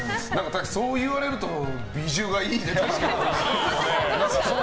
そう言われるとビジュがいいね、確かに。